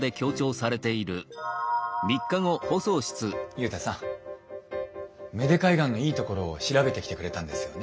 ユウタさん芽出海岸のいいところを調べてきてくれたんですよね。